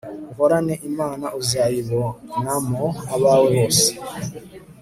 uhorane imana uzaayiboanamo abawe bose